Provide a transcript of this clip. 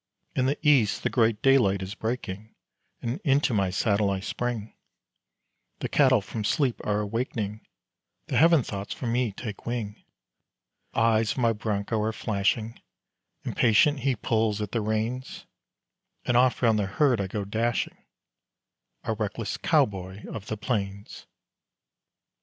In the east the great daylight is breaking And into my saddle I spring; The cattle from sleep are awakening, The heaven thoughts from me take wing, The eyes of my bronco are flashing, Impatient he pulls at the reins, And off round the herd I go dashing, A reckless cowboy of the plains.